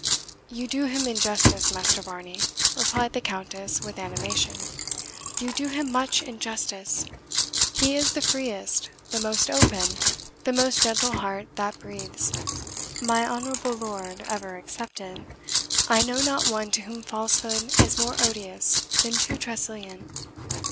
"You do him injustice, Master Varney," replied the Countess, with animation "you do him much injustice. He is the freest, the most open, the most gentle heart that breathes. My honourable lord ever excepted, I know not one to whom falsehood is more odious than to Tressilian."